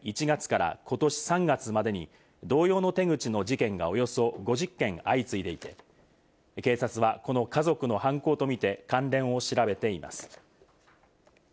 埼玉県北部では去年１月から今年３月までに同様の手口の事件がおよそ５０件相次いでいて、警察はこの家族の犯行とみて関連を調べています。